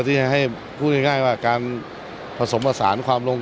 โค้ดไม่ใช่คนเดิมแต่ด้วยสไตล์ของจีนเอง